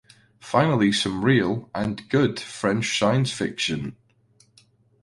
Finally some real (and good) French science fiction!